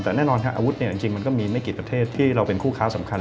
แต่แน่นอนอาวุธจริงมันก็มีไม่กี่ประเทศที่เราเป็นคู่ค้าสำคัญ